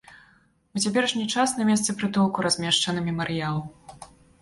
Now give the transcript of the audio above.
У цяперашні час на месцы прытулку размешчаны мемарыял.